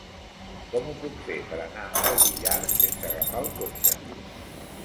Com ho puc fer per anar al Villar sense agafar el cotxe?